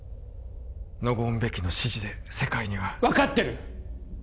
ノゴーン・ベキの指示で世界には分かってる！